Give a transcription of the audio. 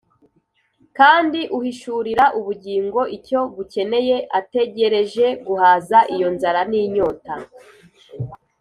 . Kandi uhishurira ubugingo icyo bukeneye ategereje guhaza iyo nzara n’inyota